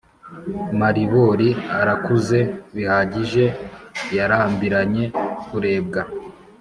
maribori arakuze bihagije yarambiranye kurebwa